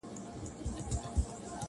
ناروغان یې ماشومان او بوډاګان کړل-